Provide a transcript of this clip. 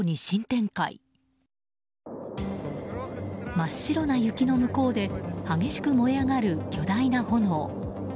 真っ白な雪の向こうで激しく燃え上がる巨大な炎。